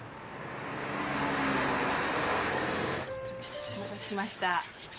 お待たせしました。